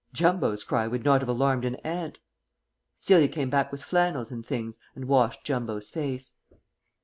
Jumbo's cry would not have alarmed an ant. Celia came back with flannels and things and washed Jumbo's face.